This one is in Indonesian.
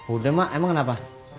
udah mak emang kenapa